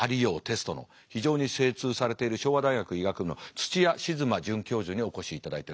非常に精通されている昭和大学医学部の土屋静馬准教授にお越しいただいております。